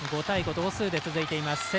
５対５、同数で続いています。